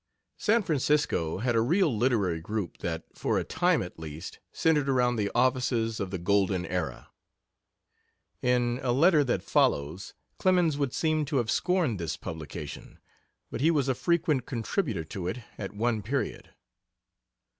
San Francisco had a real literary group that, for a time at least, centered around the offices of the Golden Era. In a letter that follows Clemens would seem to have scorned this publication, but he was a frequent contributor to it at one period.